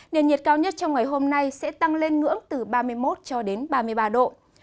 nền nhiệt cao nhất trong ngày hôm nay sẽ tăng lên ngưỡng từ ba mươi một cho đến ba mươi ba độ